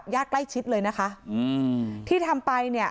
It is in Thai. ญาติใกล้ชิดเลยนะคะอืมที่ทำไปเนี่ย